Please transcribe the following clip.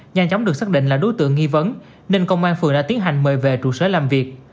nhanh chóng được xác định là đối tượng nghi vấn nên công an phường đã tiến hành mời về trụ sở làm việc